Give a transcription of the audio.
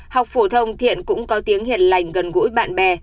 học phổ thông thiện cũng có tiếng hiền lành gần gũi bạn bè